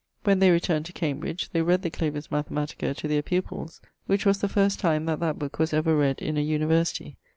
When they returned to Cambridge, they read the Clavis Mathematica to their pupills, which was the first time that that booke was ever read in a university.